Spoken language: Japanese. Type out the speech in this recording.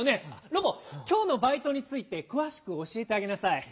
ロボきょうのバイトについてくわしくおしえてあげなさい。